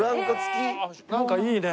なんかいいね。